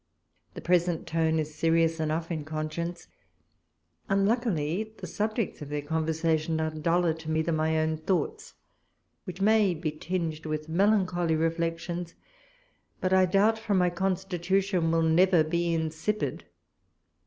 The present tone is serious enough in conscience. Unhickily, the subjects of tlieir conversation are duller to me than my own tlioughts, which may be tinged with melancholy reflections, but 1 doubt from my con stitution will never be insipid.